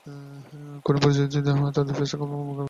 কঠিন পরিস্থিতিতে তাদের পেস আক্রমণ মোকাবেলায় অগ্রসর হন।